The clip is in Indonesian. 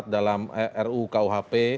dalam ru kuhp